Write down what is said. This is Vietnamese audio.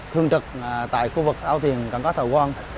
thường trực tại khu vực ấu thuyền cảm các thảo quang